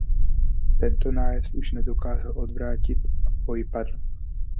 Tento nájezd už nedokázal odvrátit a v boji padl.